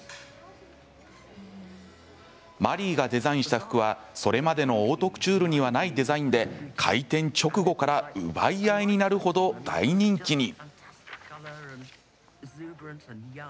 マリーがデザインした服はそれまでのオートクチュールにはないデザインで、開店直後から奪い合いになる程、大人気に。